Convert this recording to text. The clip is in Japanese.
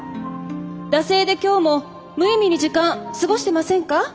惰性で今日も無意味に時間過ごしてませんか？